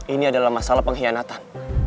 ini adalah masalah pengkhianatan